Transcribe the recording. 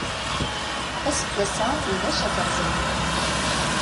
Aseggas-a ulac aẓerẓur.